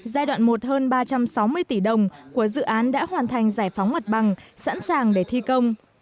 giai đoạn một hơn ba trăm sáu mươi tỷ đồng của dự án đã hoàn thành giải phóng mặt bằng sẵn sàng để thi công